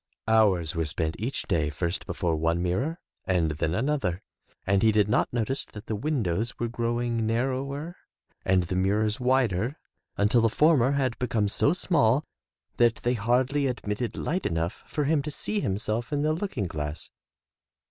Hours were spent each day first before one mirror and then another, and he did not notice that the windows were grow ing narrower and the mirrors wider until the former had become so small that they hardly admitted light enough for him to see himself in the looking glass.